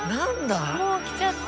もうきちゃった。